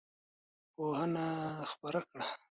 پوهنه خپره کړه.